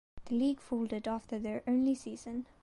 The league folded after their only season.